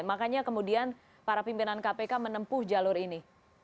makanya kemudian para pimpinan kpk menempuh jalur ini